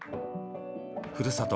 ふるさと